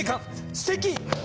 すてき！